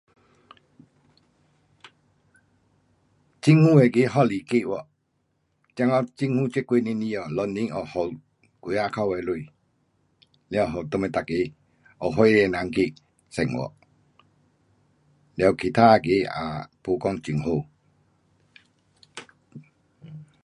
政府那个福利计划。像讲政府这几年以后，六年下，给几百块的钱。完，给我们每个有灰的人去生活，完，其他那个啊，没讲很好。